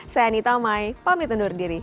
saya anita mai pamit undur diri